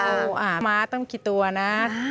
รูสัมภาวม้าต้องมีกี่ตัวนะ